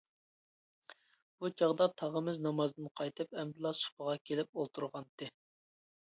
بۇ چاغدا تاغىمىز نامازدىن قايتىپ ئەمدىلا سۇپىغا كېلىپ ئولتۇرغانتى.